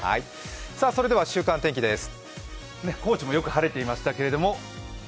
それでは週間天気です。